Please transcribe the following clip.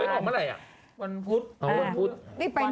วันพุธ